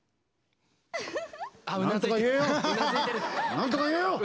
なんとか言えよ！